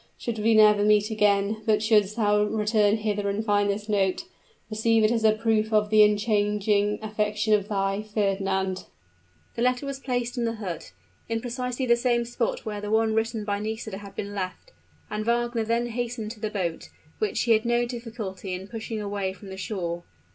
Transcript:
Should we never meet again, but shouldst thou return hither and find this note, receive it as a proof of the unchanging affection of thy "FERNAND." The letter was placed in the hut, in precisely the same spot where the one written by Nisida had been left; and Wagner then hastened to the boat, which he had no difficulty in pushing away from the shore.